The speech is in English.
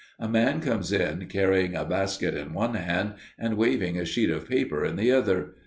A man comes in, carrying a basket in one hand and waving a sheet of paper in the other.